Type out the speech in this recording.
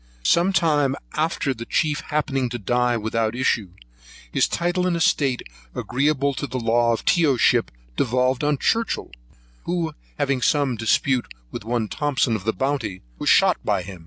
Some time after the chief happening to die without issue, his title and estate, agreeable to their law from Tyoship, devolved on Churchhill, who having some dispute with one Thomson of the Bounty, was shot by him.